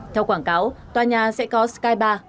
theo quảng cáo tòa nhà sẽ có skybar